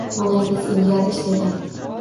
Onangiz ilgari ishlagan.